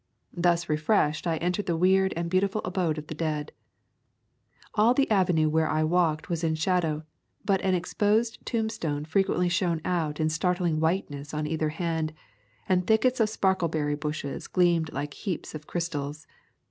Thus refreshed I entered the weird and beautiful abode of the dead. All the avenue where I walked was in shadow, but an exposed tombstone frequently shone out in startling whiteness on either hand, and thickets of sparkleberry bushes gleamed like heaps of crystals.